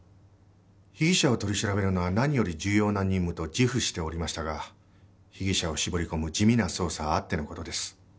被疑者を取り調べるのは何より重要な任務と自負しておりましたが被疑者を絞り込む地味な捜査あっての事です。